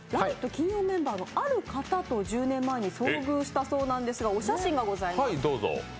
金曜メンバーのある方と１０年前に遭遇したそうなんですが、お写真がございます。